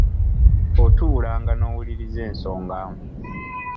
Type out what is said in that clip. Otuulanga n’owulirirza ensonga.